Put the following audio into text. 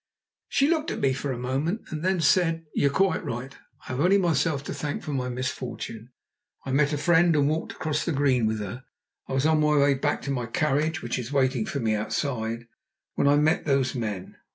She looked at me for a moment and then said: "You are quite right. I have only myself to thank for my misfortune. I met a friend and walked across the green with her; I was on my way back to my carriage which is waiting for me outside when I met those men.